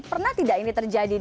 pernah tidak ini terjadi